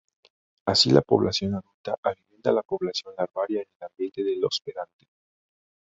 Así la población adulta alimenta a la población larvaria en el ambiente del hospedante.